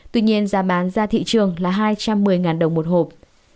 tuy nhiên giá bán ra thị trường là hai trăm một mươi đồng một hộp